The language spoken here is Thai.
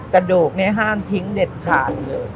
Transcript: กระดูกนี้ห้ามทิ้งเด็ดขาดเลย